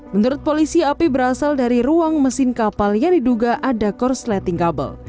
menurut polisi api berasal dari ruang mesin kapal yang diduga ada korsleting kabel